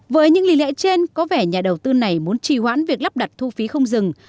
với những lý lẽ trên có vẻ nhà đầu tư này muốn trì hoãn việc lắp đặt thu phí không dừng